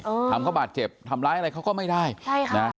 ทำเขาบาดเจ็บทำร้ายอะไรเขาก็ไม่ได้ใช่ค่ะนะ